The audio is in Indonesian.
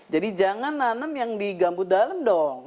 jadi jangan nanem yang digambut dalem dong